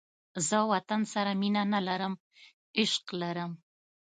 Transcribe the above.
زه وطن سره مینه نه لرم، عشق لرم